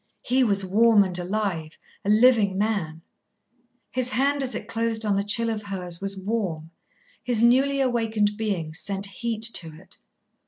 He was warm and alive, a living man; his hand as it closed on the chill of hers was warm; his newly awakened being sent heat to it.